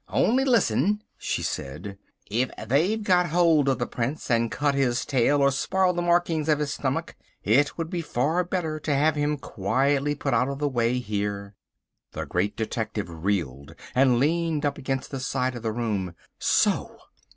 Only listen," she said, "if they've got hold of the Prince and cut his tail or spoiled the markings of his stomach it would be far better to have him quietly put out of the way here." The Great Detective reeled and leaned up against the side of the room. So!